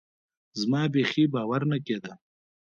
زما بيخي باور نه کېده.